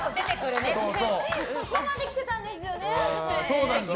そこまで来てたんですよね。